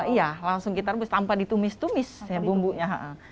iya langsung kita rebus tanpa ditumis tumis ya bumbunya